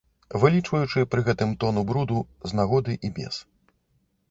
Выліваючы пры гэтым тону бруду з нагоды і без.